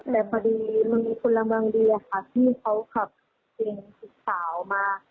แต่พอดีตัวหนังบางดีที่เขากลับเกียรติจิตเขาสาวมา